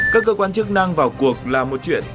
các cơ quan chức năng vào cuộc là một chuyện